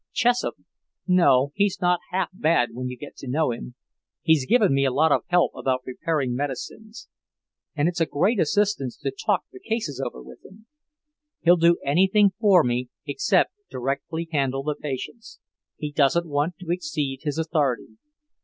"Chessup? No, he's not half bad when you get to know him. He's given me a lot of help about preparing medicines, and it's a great assistance to talk the cases over with him. He'll do anything for me except directly handle the patients. He doesn't want to exceed his authority.